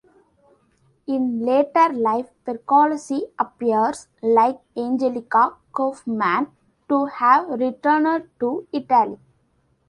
In later life Pergolesi appears, like Angelica Kauffman, to have returned to Italy.